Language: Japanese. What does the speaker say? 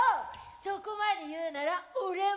そこまで言うなら俺も。